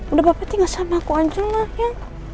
udah bapak tinggal sama aku anjola ya